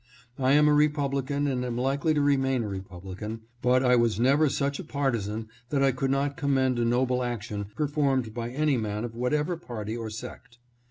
I am a Republican and am likely to remain a Republican, but I was never such a partisan that I could not commend a noble action performed by any man of whatever party or sect.